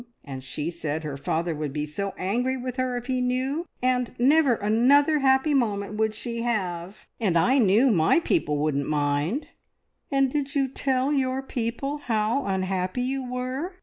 And she said her father would be so angry with her if he knew, that never another happy moment would she have, and I knew my people wouldn't mind!" "And did you tell your people how unhappy you were?